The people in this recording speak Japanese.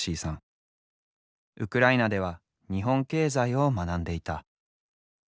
ウクライナでは日本経済を学んでいた。